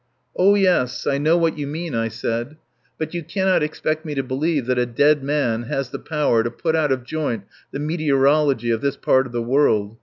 "Oh, yes, I know what you mean," I said. "But you cannot expect me to believe that a dead man has the power to put out of joint the meteorology of this part of the world.